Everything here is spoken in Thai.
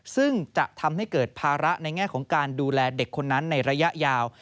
ซึ่งจะทำให้เกิดภาระในแง่ของการดูแลเด็กคนนั้นในระยะยาว